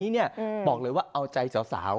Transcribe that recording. นี่บอกเลยว่าเอาใจสาว